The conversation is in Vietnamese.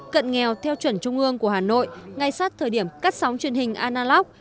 cận nghèo theo chuẩn trung ương của hà nội ngay sát thời điểm cắt sóng truyền hình analok